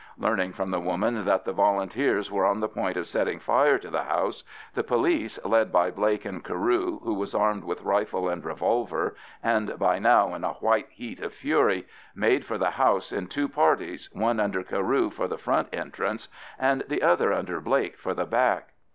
Learning from the woman that the Volunteers were on the point of setting fire to the house, the police, led by Blake and Carew, who was armed with rifle and revolver, and by now in a white heat of fury, made for the house in two parties, one under Carew for the front entrance, and the other under Blake for the back.